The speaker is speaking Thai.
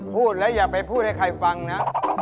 พูดแล้วอย่าไปพูดให้ใครฟังนะ